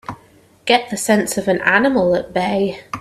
Get the sense of an animal at bay!